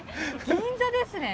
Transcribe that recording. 銀座ですね。